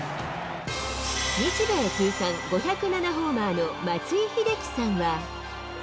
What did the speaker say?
日米通算５０７ホーマーの松井秀喜さんは。